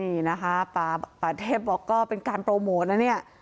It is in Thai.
นี่นะคะป่าป่าเทพบอกก็เป็นการโปรโมทนะเนี่ย